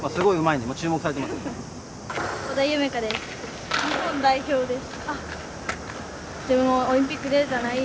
日本代表です。